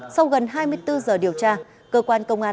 sau gần hai mươi bốn giờ điều tra cơ quan công an